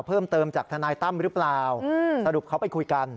เพิ่มเติมจากทนายตั้มหรือเปล่าสรุปเขาไปคุยกัน